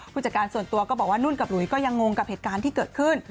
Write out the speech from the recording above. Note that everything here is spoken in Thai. ผู้จัดการส่วนตัวก็บอกว่านุ่นกับหลุยก็ยังงงกับเหตุการณ์ที่เกิดขึ้น